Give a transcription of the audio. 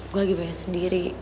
gue lagi pengen sendiri